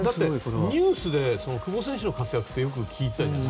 ニュースで久保選手の活躍はよく聞いてたじゃない。